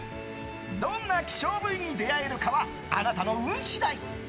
どんな希少部位に出会えるかはあなたの運次第。